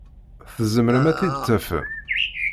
Tzemrem ad t-id-tafem?